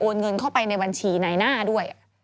เงินเข้าไปในบัญชีในหน้าด้วย